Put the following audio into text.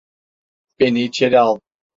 Beni içeri al!